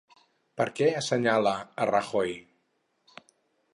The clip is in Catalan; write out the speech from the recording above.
Per què assenyala a Rajoy?